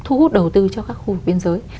thu hút đầu tư cho các khu biên giới